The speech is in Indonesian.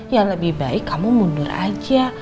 ya lebih baik kamu mundur aja